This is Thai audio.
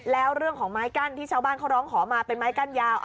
แล้วเรื่องของไม้กั้นที่ชาวบ้านเขาร้องขอมาเป็นไม้กั้นยาว